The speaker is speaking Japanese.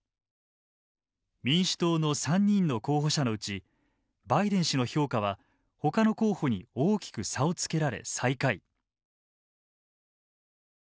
民主党の３人の候補者のうちバイデン氏の評価はほかの候補に大きく差をつけられ最下位。